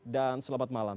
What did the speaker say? dan selamat malam